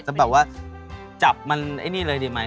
จะแบบว่าจับมันไอ้นี่เลยดีไหม